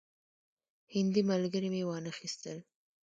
هندي ملګري مې وانه خیستل.